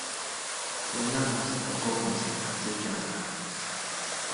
你呃我膝頭哥唔食辣椒醬呀